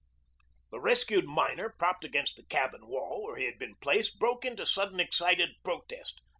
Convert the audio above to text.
The rescued miner, propped against the cabin wall where he had been placed, broke into sudden excited protest.